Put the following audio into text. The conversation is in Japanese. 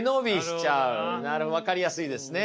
分かりやすいですね。